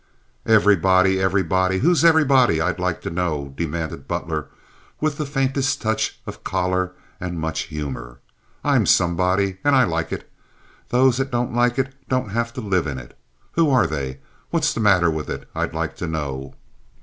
"Everybody! Everybody! Who is 'everybody,' I'd like to know?" demanded Butler, with the faintest touch of choler and much humor. "I'm somebody, and I like it. Those that don't like it don't have to live in it. Who are they? What's the matter with it, I'd like to know?"